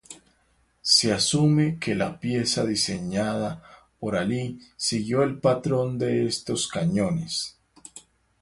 Se asume que la pieza diseñada por Alí siguió el patrón de estos cañones.